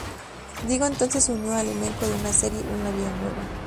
Diego entonces se unió al elenco de una serie, "Una vida nueva".